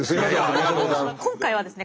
今回はですね